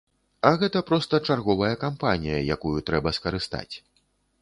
А гэта проста чарговая кампанія, якую трэба скарыстаць.